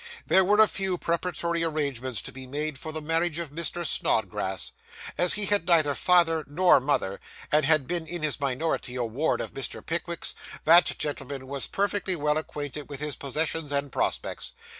There were few preparatory arrangements to be made for the marriage of Mr. Snodgrass. As he had neither father nor mother, and had been in his minority a ward of Mr. Pickwick's, that gentleman was perfectly well acquainted with his possessions and prospects.